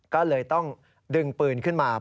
ก็เลยต้องดึงปืนขึ้นมา